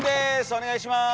お願いします。